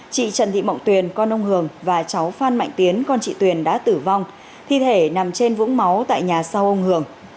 chị trần thị mộng tuyền con ông hường và cháu phan mạnh tiến con chị tuyền đã tử vong thi thể nằm trên vũng máu tại nhà sau ông hường